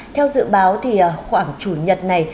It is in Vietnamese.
theo dự báo thì khoảng chủ nhật này